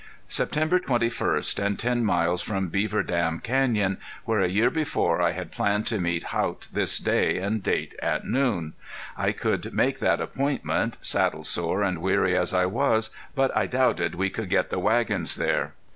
September twenty first and ten miles from Beaver Dam Canyon, where a year before I had planned to meet Haught this day and date at noon! I could make that appointment, saddle sore and weary as I was, but I doubted we could get the wagons there.